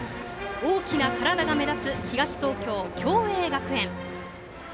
大きな体が目立つ東東京・共栄学園。